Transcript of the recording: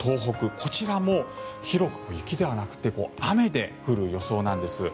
こちらも広く雪ではなくて雨で降る予想なんです。